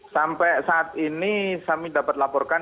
sampai saat ini kami dapat laporkan